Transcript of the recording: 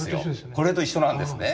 これと一緒なんですね。